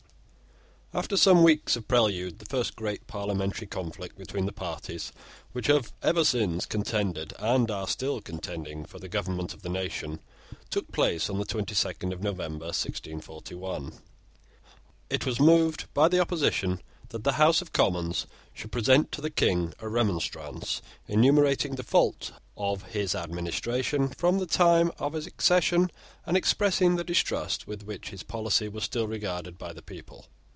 After some weeks of prelude, the first great parliamentary conflict between the parties, which have ever since contended, and are still contending, for the government of the nation, took place on the twenty second of November, 1641. It was moved by the opposition, that the House of Commons should present to the King a remonstrance, enumerating the faults of his administration from the time of his accession, and expressing the distrust with which his policy was still regarded by his people.